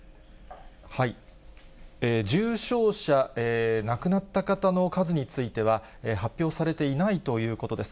重症者、亡くなった方の数については、発表されていないということです。